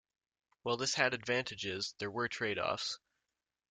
While this had advantages, there were trade offs.